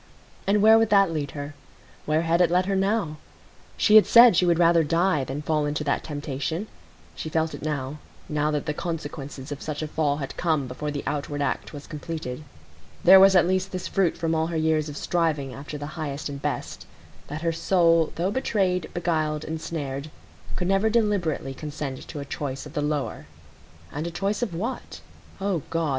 And where would that lead her? Where had it led her now? She had said she would rather die than fall into that temptation. She felt it now,—now that the consequences of such a fall had come before the outward act was completed. There was at least this fruit from all her years of striving after the highest and best,—that her soul though betrayed, beguiled, ensnared, could never deliberately consent to a choice of the lower. And a choice of what? O God!